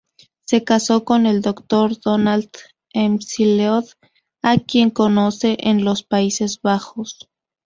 Se casó con el Dr. Donald McLeod a quien conoce en los Países Bajos.